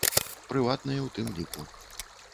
Прыватныя ў тым ліку.